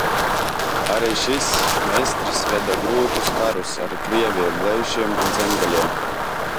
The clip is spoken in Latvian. Arī šis mestris veda grūtus karus ar krieviem, leišiem un zemgaļiem.